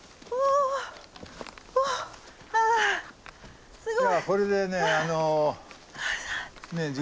はあすごい！